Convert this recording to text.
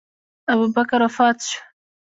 ابوبکر وفات شو.